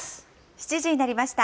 ７時になりました。